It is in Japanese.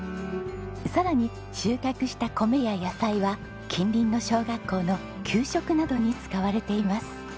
さらに収穫した米や野菜は近隣の小学校の給食などに使われています。